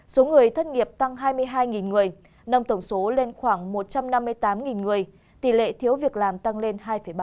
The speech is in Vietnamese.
số người thất nghiệp tăng hai mươi hai người nâng tổng số lên khoảng một trăm năm mươi tám người tỷ lệ thiếu việc làm tăng lên hai ba